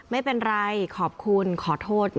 ไม่เป็นไรขอบคุณขอโทษ